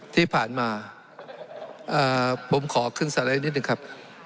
ที่ผ่านมาผมขอขึ้นสไลด์นิดนึงครับ